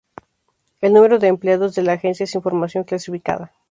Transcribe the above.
El número de empleados de la agencia es información clasificada.